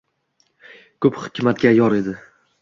Ko’p hikmatga yor edi.